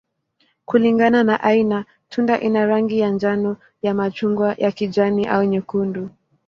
Kulingana na aina, tunda ina rangi ya njano, ya machungwa, ya kijani, au nyekundu.